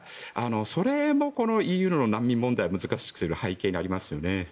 それもＥＵの難民問題を難しくしている背景にありますよね。